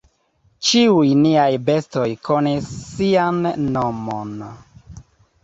Ĉiuj niaj bestoj konis sian nomon.